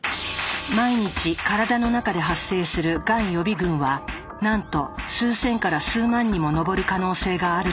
毎日からだの中で発生するがん予備群はなんと数千から数万にも上る可能性があるという。